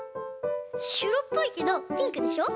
しろっぽいけどピンクでしょ？